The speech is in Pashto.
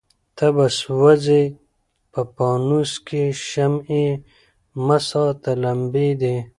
ته به سوځې په پانوس کي شمعي مه ساته لمبې دي